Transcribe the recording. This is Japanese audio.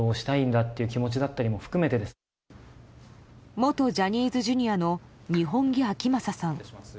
元ジャニーズＪｒ．の二本樹顕理さん。